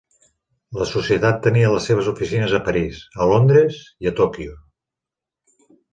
La Societat tenia les seves oficines a París, a Londres, i a Tòquio.